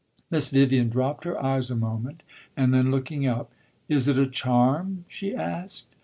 Miss Vivian dropped her eyes a moment, and then, looking up, "Is it a charm?" she asked.